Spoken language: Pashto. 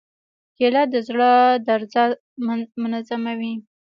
کېله د زړه درزا منظموي.